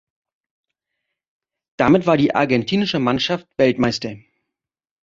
Damit war die argentinische Mannschaft Weltmeister.